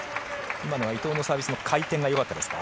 今のは伊藤のサービスの回転が弱かったですか。